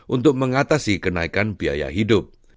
untuk mengatasi kenaikan biaya hidup